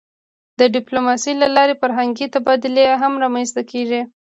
د ډیپلوماسی له لارې فرهنګي تبادلې هم رامنځته کېږي.